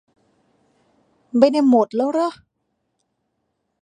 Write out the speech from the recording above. ไม่ได้หมดแล้วเรอะ